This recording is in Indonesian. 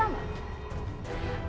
kamu itu gak usah sosuci